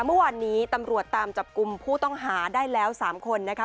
เมื่อวานนี้ตำรวจตามจับกลุ่มผู้ต้องหาได้แล้ว๓คนนะคะ